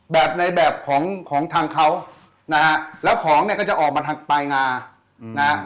แบบในแบบของของทางเขานะฮะแล้วของเนี่ยก็จะออกมาทางปลายงานะ